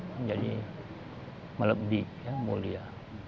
menjadi melebih mulia